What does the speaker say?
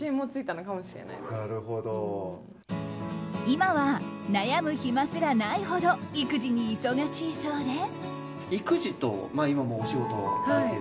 今は悩む暇すらないほど育児に忙しいそうで。